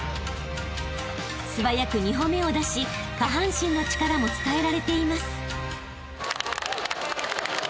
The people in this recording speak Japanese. ［素早く２歩目を出し下半身の力も伝えられています］